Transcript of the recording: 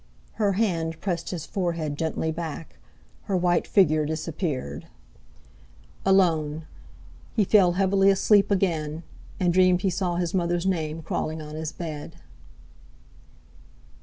Her hand pressed his forehead gently back; her white figure disappeared. Alone! He fell heavily asleep again, and dreamed he saw his mother's name crawling on his bed.